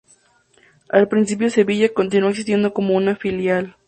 Al principio Sevillana continuó existiendo como una filial.